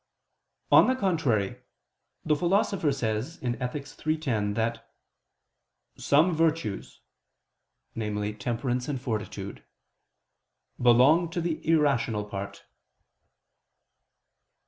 On the contrary, The Philosopher says (Ethic. iii, 10) that "some virtues," namely, temperance and fortitude, "belong to the irrational part."